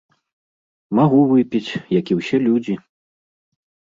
Магу выпіць, як і ўсе людзі.